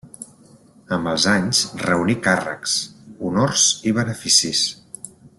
Amb els anys reuní càrrecs, honors i beneficis.